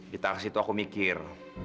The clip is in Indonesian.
di atas itu aku mikir